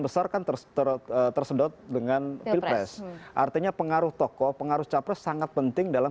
besar kan tersedot dengan pilpres artinya pengaruh tokoh pengaruh capres sangat penting dalam